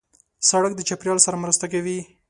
سړک د چاپېریال سره مرسته کوي.